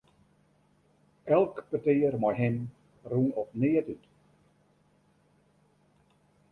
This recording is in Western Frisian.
Elk petear mei him rûn op neat út.